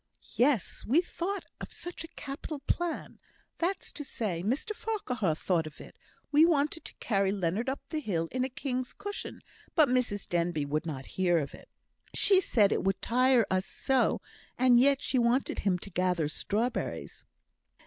"Yes! we thought of such a capital plan. That's to say, Mr Farquhar thought of it we wanted to carry Leonard up the hill in a king's cushion, but Mrs Denbigh would not hear of it." "She said it would tire us so; and yet she wanted him to gather strawberries!"